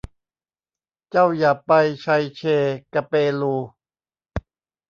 เจ้าอย่าไปไชเชกะเปลู